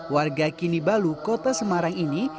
warga kini balu kota semarang ini